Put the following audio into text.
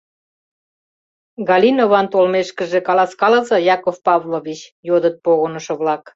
— Галинован толмешкыже каласкалыза, Яков Павлович, — йодыт погынышо-влак.